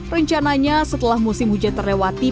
rencananya setelah musim hujan terlewati